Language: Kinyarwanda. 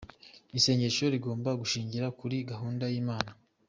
Isengesho rigomba gushingira kuri gahunda y'Imana.